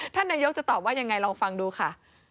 ท่านนายกจะตอบว่ายังไงลองฟังดูค่ะ